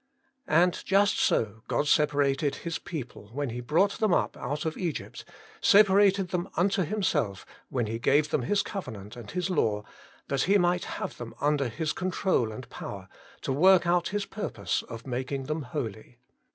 And just so God separated His people when He brought them up out of Egypt, separated them unto Himself when He gave them His covenant and His law, that He might have them under His control and power, to work out His purpose of making them holy.